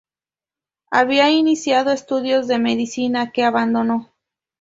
Había iniciado estudios de medicina, que abandonó.